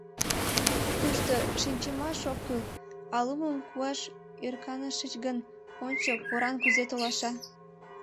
Тушто шинчымаш ок кӱл, а лумым куаш ӧрканышыч гын, ончо, поран кузе толаша.